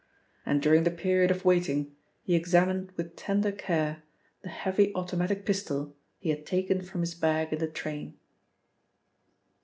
And during the period of waiting, he examined with tender care the heavy automatic pistol he had taken from his bag in the train.